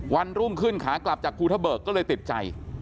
วันรุ่งขึ้นขากลับจากภูทะเบิกก็เลยติดใจ